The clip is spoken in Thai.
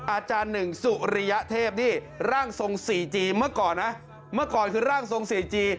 อาจารย์หนึ่งสุริยเทพนี่ร่างทรงสี่จีเมื่อก่อนนะเมื่อก่อนคือร่างทรงสี่จี